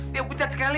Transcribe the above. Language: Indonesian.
dia pucat sekali